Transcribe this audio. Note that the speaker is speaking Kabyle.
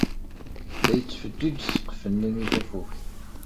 La yettfeǧǧiǧ ssqef-nni i tafukt.